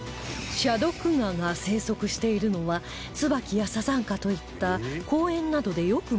チャドクガが生息しているのはツバキやサザンカといった公園などでよく見かける樹木